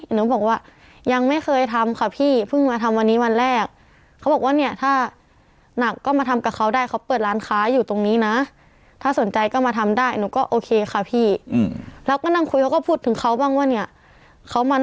หนูบอกว่ายังไม่เคยทำค่ะพี่เพิ่งมาทำวันนี้วันแรก